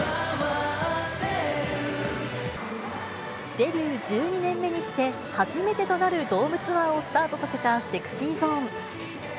デビュー１２年目にして初めてとなるドームツアーをスタートさせたＳｅｘｙＺｏｎｅ。